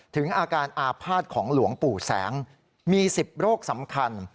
ถึงอาการอาภาษณ์ของหลวงปู่แสงมี๑๐โรคสำคัญ